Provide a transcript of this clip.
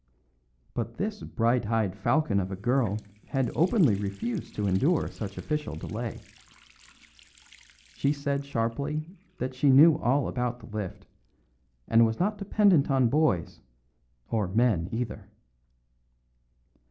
But this bright eyed falcon of a girl had openly refused to endure such official delay. She said sharply that she knew all about the lift, and was not dependent on boys or men either.